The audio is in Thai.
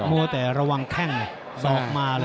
มัวแต่ระวังแข้งสอกมาเลย